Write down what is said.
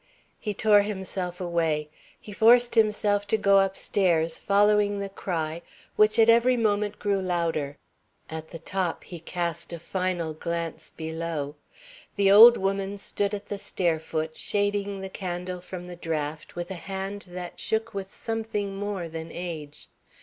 He tore himself away. He forced himself to go upstairs, following the cry, which at every moment grew louder. At the top he cast a final glance below. The old woman stood at the stair foot, shading the candle from the draught with a hand that shook with something more than age.